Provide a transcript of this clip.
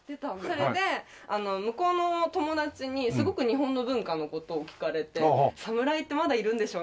それで向こうの友達にすごく日本の文化の事を聞かれて侍ってまだいるんでしょ？みたいな。